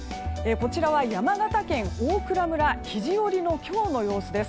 こちらは山形県大蔵村肘折の今日の様子です。